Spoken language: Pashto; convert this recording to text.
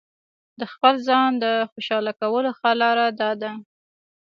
د خپل ځان د خوشاله کولو ښه لاره داده.